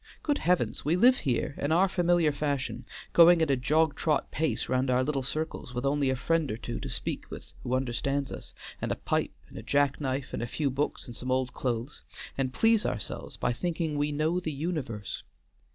Good heavens! we live here in our familiar fashion, going at a jog trot pace round our little circles, with only a friend or two to speak with who understand us, and a pipe and a jack knife and a few books and some old clothes, and please ourselves by thinking we know the universe!